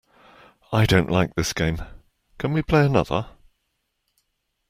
I don't like this game, can we play another?